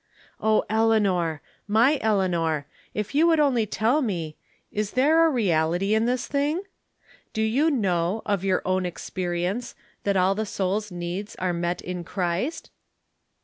Ob, Eleanor!— my Eleanor! If you would only tell me — is tbere a reality in tbis tiling? Do you know, of your own experience, tbat all tbe soul's needs are met in Cbrist?